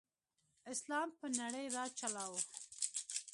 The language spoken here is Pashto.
اسلام په نړۍ راج چلاؤ.